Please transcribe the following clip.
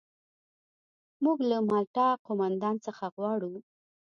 موږ له مالټا قوماندان څخه غواړو.